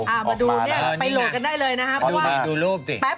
มาดูโหลดกันได้เลยนะครับ